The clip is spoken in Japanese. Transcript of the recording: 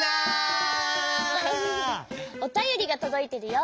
おたよりがとどいてるよ。